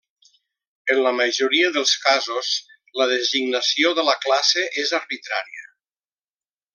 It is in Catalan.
En la majoria dels casos, la designació de la classe és arbitrària.